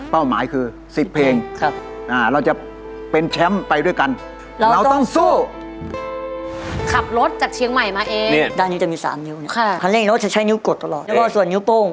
เป้าหมายคือ๑๐เพลง